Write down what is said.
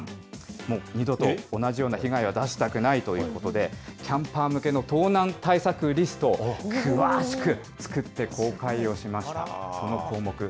もう二度と同じような被害は出したくないということで、キャンパー向けの盗難対策リストを詳しく作って公開をしました。